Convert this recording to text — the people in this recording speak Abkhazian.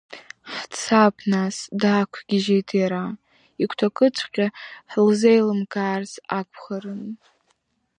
Ҳцап нас, даақәгьежьит иара, игәҭакыҵәҟьа лзеилымкаарц акәхарын.